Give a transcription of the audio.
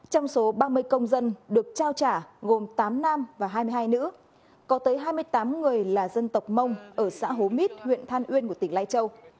trong số ba mươi công dân được trao trả gồm tám nam và hai mươi hai nữ có tới hai mươi tám người là dân tộc mông ở xã hố mít huyện than uyên của tỉnh lai châu